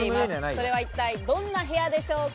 それは一体どんな部屋でしょうか？